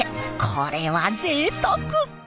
これはぜいたく。